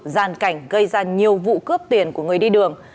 giàn cảnh gây ra nhiều vụ cướp tiền của người đi đường